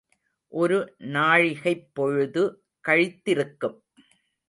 ஒரு நாழிகைப் பொழுது கழித்திருக்கும்.